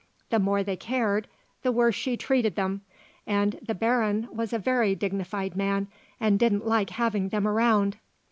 The more they cared the worse she treated them, and the Baron was a very dignified man and didn't like having them around.